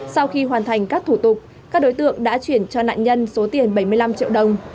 sau khi hoàn thành các thủ tục các đối tượng đã chuyển cho nạn nhân số tiền bảy mươi năm triệu đồng